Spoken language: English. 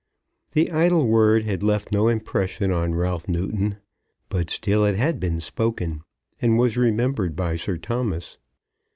The idle word had left no impression on Ralph Newton; but still it had been spoken, and was remembered by Sir Thomas.